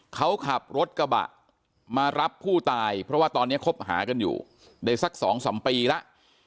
เขาขับรถกระบะมารับผู้ตายเพราะว่าตอนนี้คบหากันอยู่ได้สัก๒๓ปีแล้ว